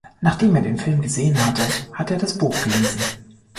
Nachdem er den Film gesehen hatte, hat er das Buch gelesen.